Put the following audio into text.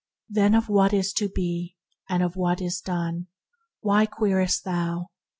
... "Then of what is to be, and of what is done. Why queriest thou?